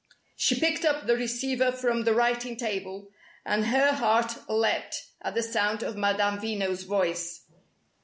She picked up the receiver from the writing table, and her heart leaped at the sound of Madame Veno's voice.